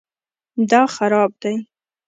دا خراب دی